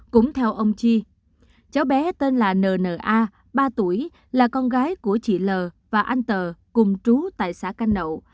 cũng theo ông chi cháu bé tên là nna ba tuổi là con gái của chị l và anh tờ cùng trú tại xã canh nậu